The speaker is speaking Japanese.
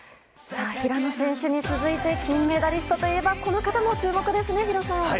平野選手に続いて金メダリストといえばこの方も注目ですね、弘さん。